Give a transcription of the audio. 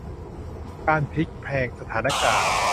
การพลิกแพลงสถานการณ์